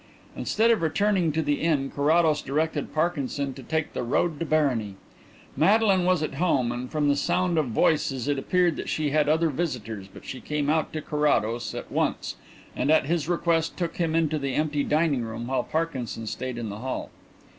Instead of returning to the inn Carrados directed Parkinson to take the road to Barony. Madeline was at home, and from the sound of voices it appeared that she had other visitors, but she came out to Carrados at once, and at his request took him into the empty dining room while Parkinson stayed in the hall.